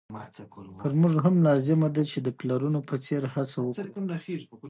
پر موږ هم لازمه ده چې د پلرونو په څېر هڅه وکړو.